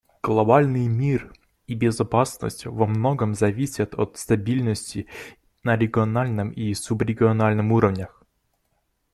Глобальный мир и безопасность во многом зависят от стабильности на региональном и субрегиональном уровнях.